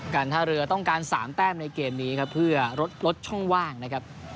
การท่าเรือต้องการ๓แต้มในเกมนี้ครับเพื่อลดลดช่องว่างนะครับ